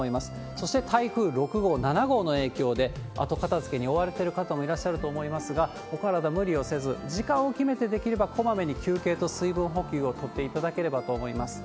そして台風６号、７号の影響で後片づけに追われてる方もいらっしゃると思いますが、お体無理をせず、時間を決めて、できればこまめに休憩と水分補給を取っていただければと思います。